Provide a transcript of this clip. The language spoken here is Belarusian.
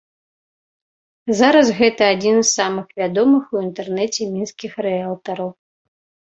Зараз гэта адзін з самых вядомых у інтэрнэце мінскіх рыэлтараў.